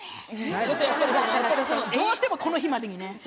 どうしてもこの日までにね。